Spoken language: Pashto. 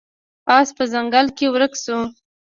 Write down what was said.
اس په ځنګل کې ورک شو.